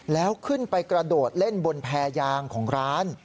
แล้วขึ้นไปกระโดดเล่นบนแพรยางของร้าน